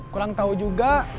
kurang tahu juga